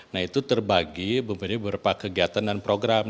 nah itu terbagi berapa kegiatan dan program